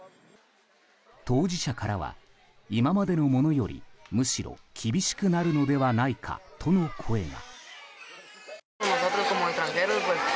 当事者からは今までのものよりむしろ厳しくなるのではないかとの声が。